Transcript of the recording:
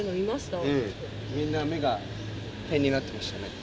みんな、目が点になってましたね。